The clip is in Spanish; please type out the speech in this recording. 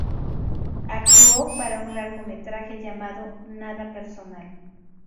Actuó para un largometraje llamado "Nada Personal".